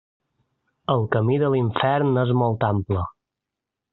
El camí de l'infern és molt ample.